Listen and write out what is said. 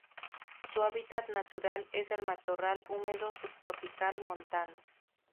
Su hábitat natural es el matorral húmedo subtropical montano.